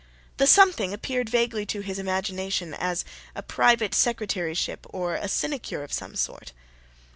The something appeared vaguely to his imagination as a private secretaryship or a sinecure of some sort.